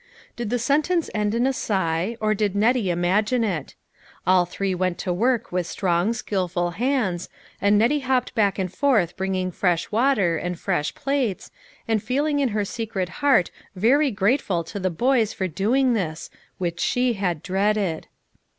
Did the sentence end in a sigh, or did Nettie imagine it ? All three went to work with strong skilful hands, and Nettie hopped back and forth bringing fresh water, and fresh plates, and feel ing in her secret heart very grateful to. the boys for doing this, which she had dreaded.